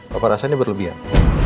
papa rasanya berlebihan